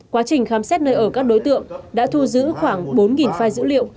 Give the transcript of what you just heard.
quá trình khám xét nơi ở các đối tượng đã thu giữ khoảng bốn file dữ liệu